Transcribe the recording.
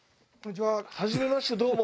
はじめましてどうも。